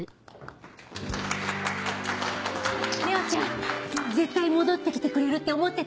玲緒ちゃん絶対戻ってきてくれるって思ってた！